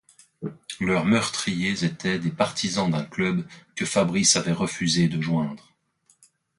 Leurs meurtriers étaient des partisans d'un club que Fabrice avait refusé de joindre.